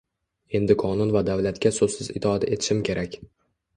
Endi qonun va davlatga so‘zsiz itoat etishim kerak!